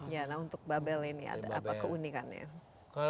ya nah untuk babel ini ada apa keunikannya